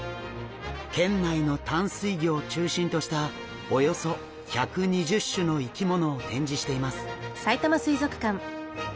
県内の淡水魚を中心としたおよそ１２０種の生き物を展示しています。